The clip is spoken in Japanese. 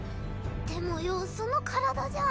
でもよぉその体じゃ。